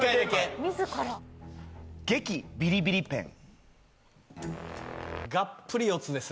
激！ビリビリペン。